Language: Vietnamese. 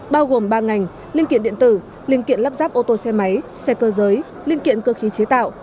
bao gồm ba ngành liên kiện điện tử liên kiện lắp ráp ô tô xe máy xe cơ giới liên kiện cơ khí chế tạo